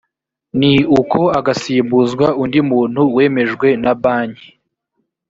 ni uko agasimbuzwa undi muntu wemejwe na banki